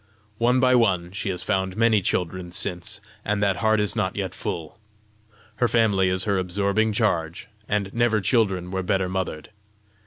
One by one she has found many children since, and that heart is not yet full. Her family is her absorbing charge, and never children were better mothered.